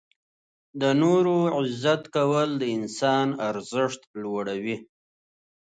• د نورو عزت کول د انسان ارزښت لوړوي.